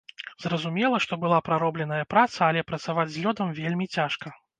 Зразумела, што была праробленая праца, але працаваць з лёдам вельмі цяжка.